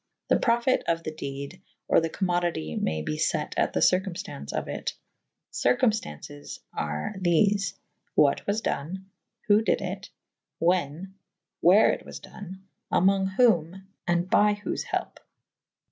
The profyte of the dede / or the commoditie may be fet at the circuOTftaunce of it. Circuw2ftau«ces are thefe / what was done / who dyd it / whan / where it was done / amonge whom / by whofe, helpe.